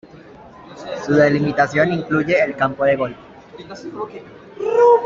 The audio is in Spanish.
Su delimitación incluye el campo de golf.